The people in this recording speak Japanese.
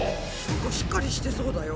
しっかりしてそうだよ。